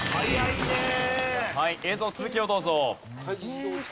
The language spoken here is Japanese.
映像続きをどうぞ。